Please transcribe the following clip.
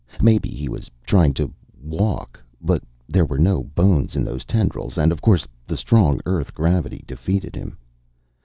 Maybe he was trying to "walk." But there were no bones in those tendrils and, of course, the strong Earth gravity defeated him.